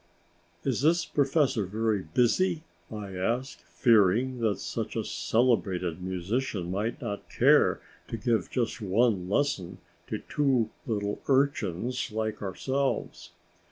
"Is this professor very busy?" I asked, fearing that such a celebrated musician might not care to give just one lesson to two little urchins like ourselves.